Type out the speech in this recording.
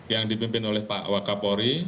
yang dipimpin oleh pak wakapori